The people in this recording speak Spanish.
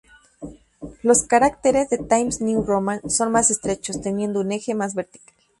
Los caracteres de Times New Roman son más estrechos, teniendo un eje más vertical.